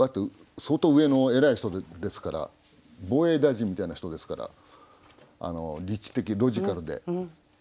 相当上の偉い人ですから防衛大臣みたいな人ですから理知的ロジカルで。